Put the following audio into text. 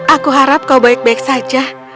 aku harap kau baik baik saja